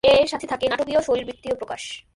এর সাথে থাকে "নাটকীয় শারীরবৃত্তীয় প্রকাশ"।